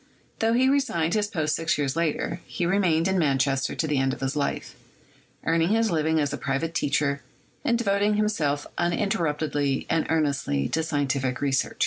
Tho he resigned this post six years later, he remained in Manchester to the end of his life, earning his living as a private teacher, and devoting himself uninterruptedly and earnestly to scientific research.